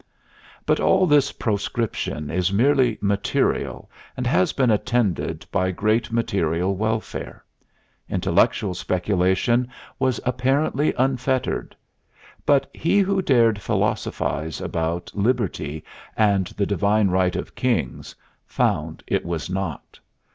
But all this proscription is merely material and has been attended by great material welfare. Intellectual speculation was apparently unfettered; but he who dared philosophize about Liberty and the Divine right of Kings found it was not.